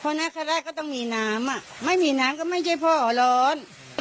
เพราะนะแค่แรกก็ต้องมีน้ำไม่มีน้ำก็ไม่ใช่พ่อเอาเริ่ม